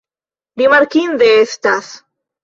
Rimarkinde estas.